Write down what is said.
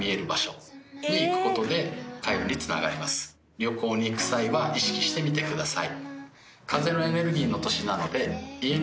旅行に行く際は意識してみてください。